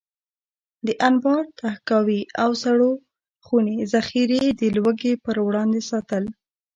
د انبار، تحکاوي او سړو خونې ذخیرې د لوږې پر وړاندې ساتل.